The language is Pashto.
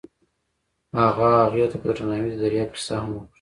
هغه هغې ته په درناوي د دریاب کیسه هم وکړه.